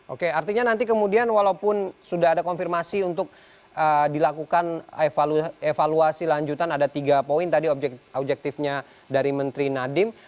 oke artinya nanti kemudian walaupun sudah ada konfirmasi untuk dilakukan evaluasi lanjutan ada tiga poin tadi objektifnya dari menteri nadiem